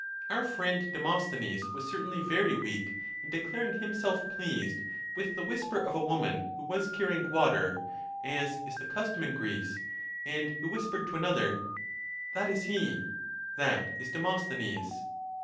Our friend Demosthenes was certainly very weak in declaring himself pleased with the whisper of a woman who was carrying water, as is the custom in Greece, and who whispered to another, " That is he—that is Demosthenes."